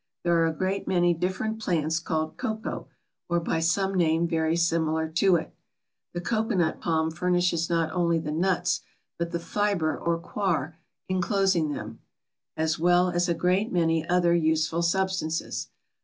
There are a great many different plants called Co Co, or by some name very similar to it. The Cocoanut Palm furnishes not only the nuts but the fibre or coir enclosing them, as well as a great many other useful substances.